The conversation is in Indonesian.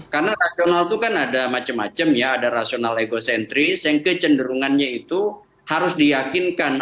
karena rasional itu kan ada macem macem ya ada rasional egocentris yang kecenderungannya itu harus diyakinkan